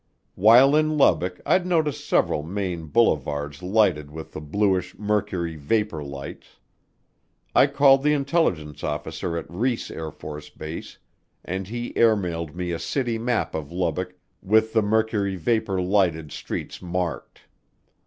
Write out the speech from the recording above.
While in Lubbock I'd noticed several main boulevards lighted with the bluish mercury vapor lights. I called the intelligence officer at Reese AFB and he airmailed me a city map of Lubbock with the mercury vapor lighted streets marked.